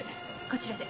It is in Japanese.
こちらで。